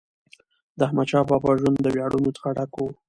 د احمدشاه بابا ژوند د ویاړونو څخه ډک و.